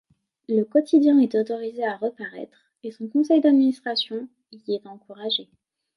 Le quotidien est autorisé à reparaître et son conseil d'administration y est encouragé.